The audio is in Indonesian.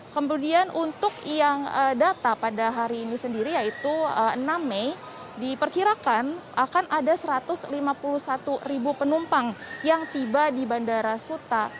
kemudian untuk yang data pada hari ini sendiri yaitu enam mei diperkirakan akan ada satu ratus lima puluh satu penumpang yang tiba di bandara suta